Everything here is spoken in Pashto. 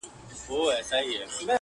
• په څو چنده له قېمته د ټوكرانو,